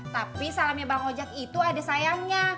tapi salamnya bang ojek itu ada sayangnya